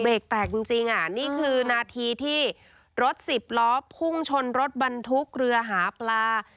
แตกจริงอ่ะนี่คือนาทีที่รถสิบล้อพุ่งชนรถบรรทุกเรือหาปลา